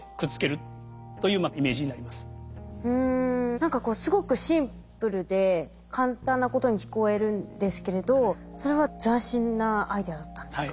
何かこうすごくシンプルで簡単なことに聞こえるんですけれどそれは斬新なアイデアだったんですか？